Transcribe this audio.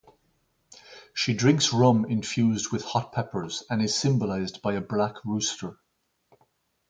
She drinks rum infused with hot peppers and is symbolized by a black rooster.